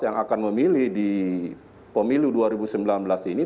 yang akan memilih di pemilu dua ribu sembilan belas ini